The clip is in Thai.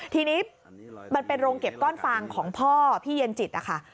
ทีนี้มันเป็นโรงเก็บก้อนฟางของพ่อพี่เย็นจิตนะคะ